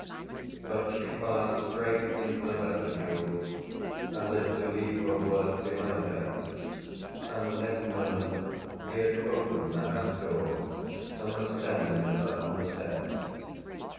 But she passed straight into the vestibule, as if to leave her words behind her, and the next moment he had opened the house door and was standing with her on the steps.